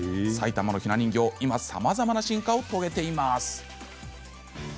埼玉のひな人形、今さまざまな進化を遂げています。